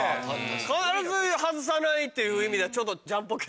必ず外さないという意味ではちょっと。